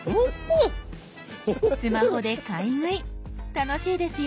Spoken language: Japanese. スマホで買い食い楽しいですよ。